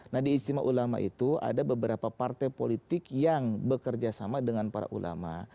nah di izdima ulama itu ada beberapa partai politik yang bekerjasama dengan para ulama